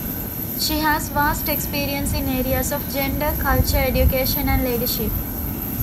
She has vast experience in areas of gender, culture, education and leadership.